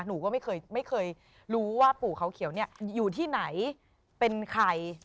หนูก็ไม่เคยรู้ว่าปู่เขาเขียวเนี่ยอยู่ที่ไหนเป็นใคร